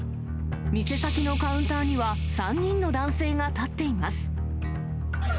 店先のカウンターには３人の男性が立っています。